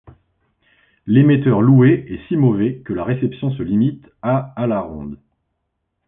L'émetteur loué est si mauvais que la réception se limite à à la ronde.